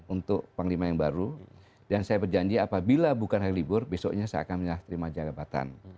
untuk panglima yang baru dan saya berjanji apabila bukan hari libur besoknya saya akan menyerah terima jabatan